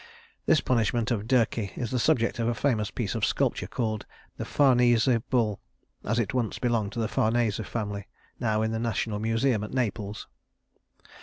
This punishment of Dirce is the subject of a famous piece of sculpture called the "Farnese Bull" (as it once belonged to the Farnese family), now in the National Museum at Naples.